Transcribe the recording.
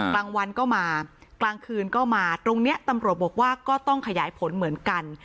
กลางวันก็มากลางคืนก็มาตรงนี้ตำรวจบอกว่าก็ต้องขยายผลเหมือนกัน